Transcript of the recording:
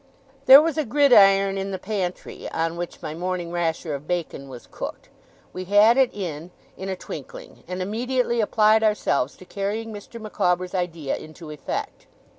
There was a gridiron in the pantry, on which my morning rasher of bacon was cooked. We had it in, in a twinkling, and immediately applied ourselves to carrying Mr. Micawber's idea into effect.